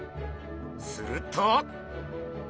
すると！